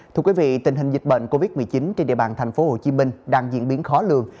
thưa quý vị tình hình dịch bệnh covid một mươi chín trên địa bàn thành phố hồ chí minh đang diễn biến khó lường